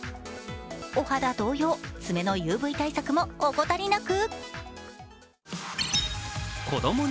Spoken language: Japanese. お肌同様、爪のＵＶ対策も怠りなく。